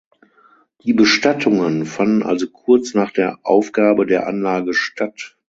Die Bestattungen fanden also kurz nach der Aufgabe der Anlage statt.